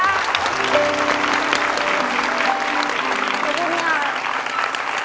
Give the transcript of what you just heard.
ขอบคุณค่ะ